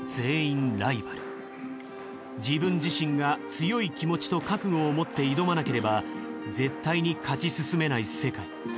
自分自身が強い気持ちと覚悟を持って挑まなければ絶対に勝ち進めない世界。